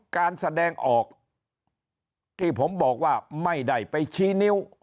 การแสดงออกที่ผมบอกว่าไม่ได้ไปชี้นิ้ว